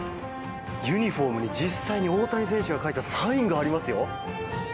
ユニホームに実際に大谷選手が書いたサインがありますよ。